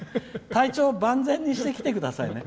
体調を万全にして来てくださいね。